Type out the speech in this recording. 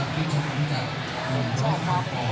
คุณครับ